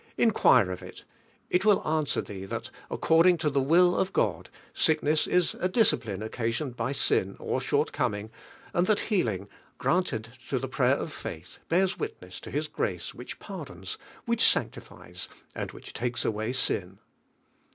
Impure ol answer thee, that, according lo I lie will of Goil, sickness is a discipline occas ioned by sin (or shortcoming), and that healing, granted lo (lie prayer of faith, bears witness lo His (.'race which pard ons, which sanctifies, and which lakes away sin.